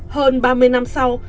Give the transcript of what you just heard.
hơn ba mươi năm sau